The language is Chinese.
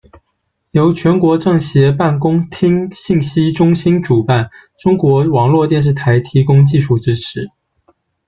由全国政协办公厅信息中心主办，中国网络电视台提供技术支持。